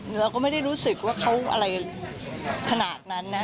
เราก็ไม่ได้รู้สึกว่าเขาอะไรขนาดนั้นนะ